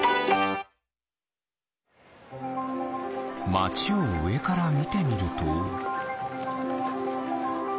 まちをうえからみてみると。